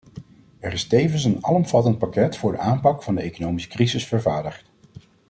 Er is tevens een alomvattend pakket voor de aanpak van de economische crisis vervaardigd.